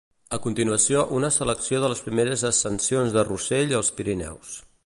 A continuació una selecció de les primeres ascensions de Russell als Pirineus.